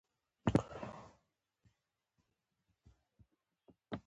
زما اړیکه نوره پای ته رسېدلې وه.